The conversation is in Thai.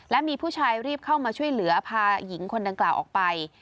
และมีผู้ชายรีบเข้ามาช่วยเหลือพาหญิงคนดังกล่าวออกไป